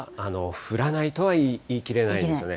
降らないとは言い切れないんですよね。